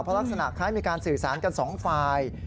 เพราะลักษณะคล้ายมีการสื่อสารกันสองฝ่าย